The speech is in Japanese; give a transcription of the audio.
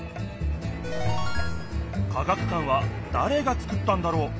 科学館はだれがつくったんだろう。